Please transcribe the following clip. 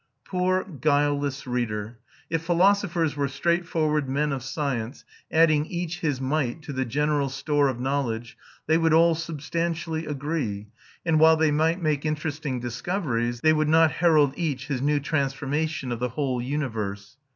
Poor guileless reader! If philosophers were straightforward men of science, adding each his mite to the general store of knowledge, they would all substantially agree, and while they might make interesting discoveries, they would not herald each his new transformation of the whole universe.